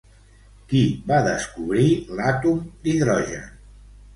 Qui va descobrir l'àtom d'hidrogen?